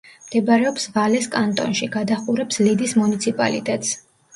მდებარეობს ვალეს კანტონში; გადაჰყურებს ლიდის მუნიციპალიტეტს.